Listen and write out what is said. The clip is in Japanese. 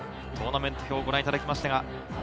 トーナメント表をご覧いただきました。